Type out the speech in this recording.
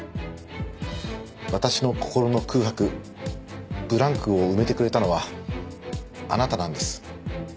私の心の空白ブランクを埋めてくれたのはあなたなんです。